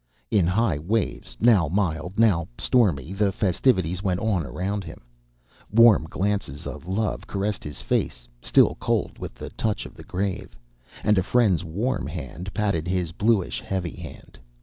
In high waves, now mild, now stormy, the festivities went on around him. Warm glances of love caressed his face, still cold with the touch of the grave; and a friend's warm hand patted his bluish, heavy hand.